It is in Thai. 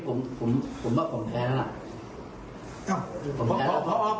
คุณคุณพ่ออออภ์ไม่คิดถึงเด็กเหรอผอบอกว่ากหาวันมันมีคุณภาพ